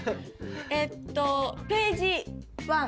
えっとページワン。